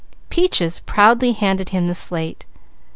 Peaches proudly handed him the slate.